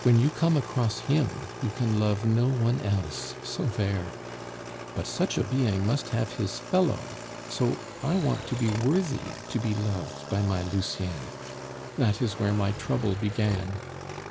When you come across him you can love no one else; so there! But such a being must have his fellow; so I want to be worthy to be loved by my Lucien. That is where my trouble began.